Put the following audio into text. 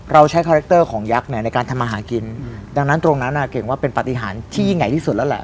ใช้คาแรคเตอร์ของยักษ์เนี่ยในการทำมาหากินดังนั้นตรงนั้นอ่ะเก่งว่าเป็นปฏิหารที่ยิ่งใหญ่ที่สุดแล้วแหละ